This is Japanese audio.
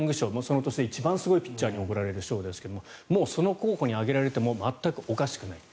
その年で一番すごいピッチャーに贈られる賞ですがその候補に挙げられても全くおかしくない。